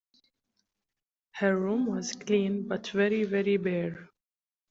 Her room was clean, but very, very bare.